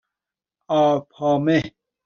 آپامه